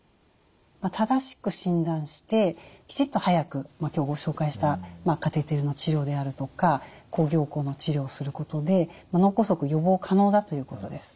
正しく診断してきちっと早く今日ご紹介したカテーテルの治療であるとか抗凝固の治療をすることで脳梗塞予防可能だということです。